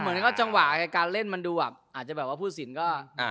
เหมือนก็จังหวะการเล่นมันดูแบบอาจจะแบบว่าผู้สินก็